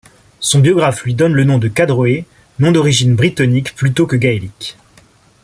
Son biographe lui donne le nom de Cadroe, nom d'origine brittonique plutôt que gaélique.